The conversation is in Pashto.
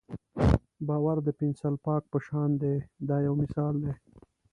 باور د پنسل پاک په شان دی دا یو مثال دی.